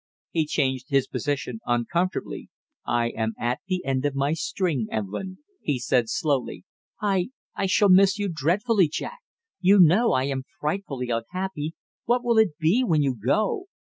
He changed his position uncomfortably. "I am at the end of my string, Evelyn," he said slowly. "I I shall miss you dreadfully, Jack! You know I am frightfully unhappy; what will it be when you go?